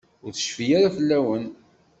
Ur tecfi ara fell-awen.